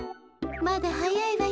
まだはやいわよ。